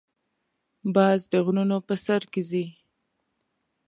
باز د غرونو په سر کې ځې